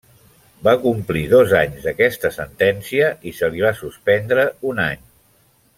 Va complir dos anys d'aquesta sentència i se li va suspendre un any.